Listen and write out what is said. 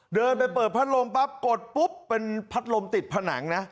เดินไปเปิดพัดลมปั๊บกดปุ๊บเป็นพัดลมติดผนังนะ